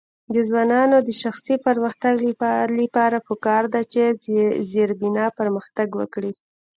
د ځوانانو د شخصي پرمختګ لپاره پکار ده چې زیربنا پرمختګ ورکړي.